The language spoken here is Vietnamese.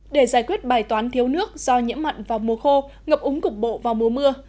để giải quyết bài toán thiếu nước do nhiễm mặn vào mùa khô ngập úng cục bộ vào mùa mưa